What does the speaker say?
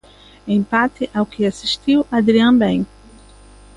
Empate ao que asistiu Adrián Ben.